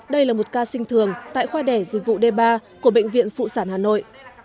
đây là một ca sinh thường tại khoa đẻ dịch vụ d ba của bệnh viện phụ sản hà nội